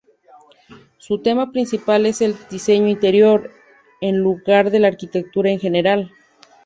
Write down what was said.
Su tema principal es el diseño interior, en lugar de la arquitectura en general.